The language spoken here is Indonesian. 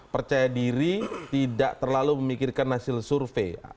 percaya diri tidak terlalu memikirkan hasil survei